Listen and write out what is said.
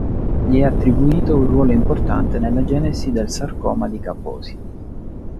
Gli è attribuito un ruolo importante nella genesi del sarcoma di Kaposi.